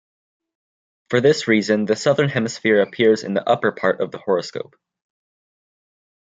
For this reason the southern hemisphere appears in the upper part of the horoscope.